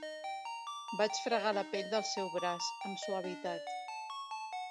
Vaig fregar la pell del seu braç, amb suavitat.